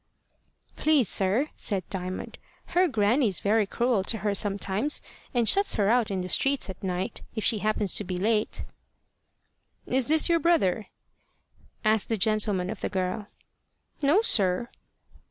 "Please, sir," said Diamond, "her grannie's very cruel to her sometimes, and shuts her out in the streets at night, if she happens to be late." "Is this your brother?" asked the gentleman of the girl. "No, sir."